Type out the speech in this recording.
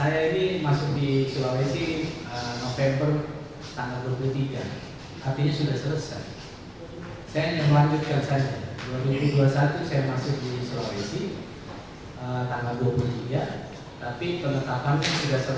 jadi sudah dijelaskan tahapannya jadi sudah ditetapkan